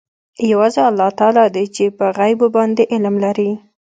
یوازې الله تعلی دی چې په غیبو باندې علم لري.